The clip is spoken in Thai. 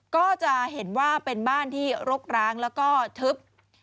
ก็จะเห็นว่าเป็นบ้านที่รกร้างแล้วก็ทึบ